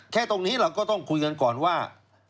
แค่ตรงนี้เราก็ต้องคุยกันก่อนว่า